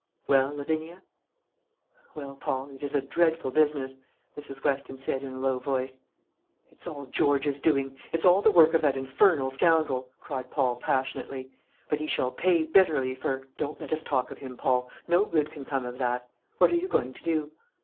"Well, Lavinia?" "Well, Paul, it is a dreadful business," Mrs. Weston said, in a low voice. "It's all George's doing! It's all the work of that infernal scoundrel!" cried Paul, passionately. "But he shall pay bitterly for " "Don't let us talk of him, Paul; no good can come of that. What are you going to do?"